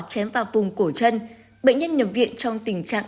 chém vào vùng cổ chân